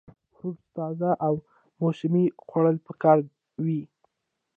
فروټس تازه او موسمي خوړل پکار وي -